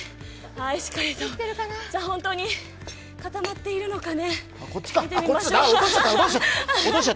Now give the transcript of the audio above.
しっかりと、本当に固まっているのか見てみましょう。